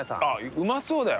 うまそうだよ！